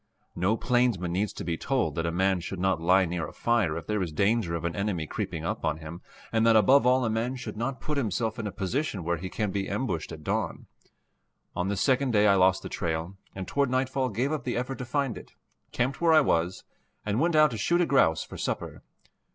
No plainsman needs to be told that a man should not lie near a fire if there is danger of an enemy creeping up on him, and that above all a man should not put himself in a position where he can be ambushed at dawn. On this second day I lost the trail, and toward nightfall gave up the effort to find it, camped where I was, and went out to shoot a grouse for supper.